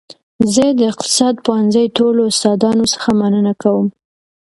زه د اقتصاد پوهنځي ټولو استادانو څخه مننه کوم